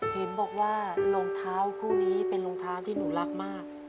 เห็นบอกว่ารองเท้าคู่นี้เป็นรองเท้าที่หนูรักมาก